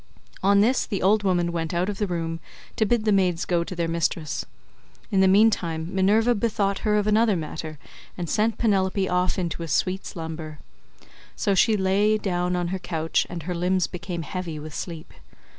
On this the old woman150 went out of the room to bid the maids go to their mistress. In the meantime Minerva bethought her of another matter, and sent Penelope off into a sweet slumber; so she lay down on her couch and her limbs became heavy with sleep.